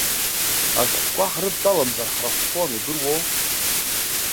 Ашәҟәқәа ҳрыдтәаламзар ҳрахәхон, удыруоу.